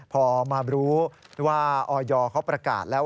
พอมารู้ว่าออยเขาประกาศแล้ว